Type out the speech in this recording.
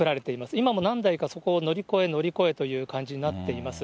今も何台か、そこを乗り越え、乗り越えという感じになっています。